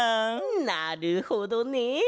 なるほどね！